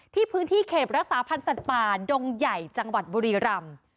ที่พื้นที่เขตรักษาพันธ์สัตว์ป่าดงใหญ่จังหวัดบุรีรำ